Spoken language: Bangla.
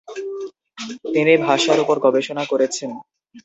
তিনি ভাষার উপর গবেষণা করেছেন।